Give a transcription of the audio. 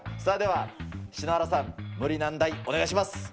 では、篠原さん、無理難題、お願いします。